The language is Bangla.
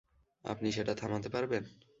আপনি সেটা থামাতে পারবেন?